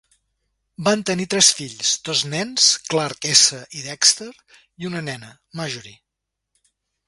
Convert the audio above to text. Van tenir tres fills, dos nens Clark S. i Dexter, i una nena Marjorie.